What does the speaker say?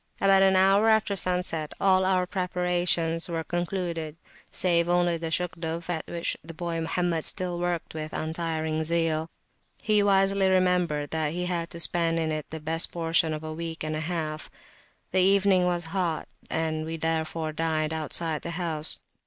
About an hour after sunset all our preparations were concluded, save only the Shugduf, at which the boy Mohammed still worked with untiring zeal; he wisely remembered that he had to spend in it the best portion of a week and a half. The evening was hot, we therefore dined outside the house.